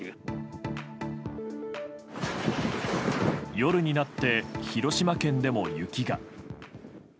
夜になって広島県でも雪が。